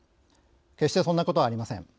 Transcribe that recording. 決してそんなことはありません。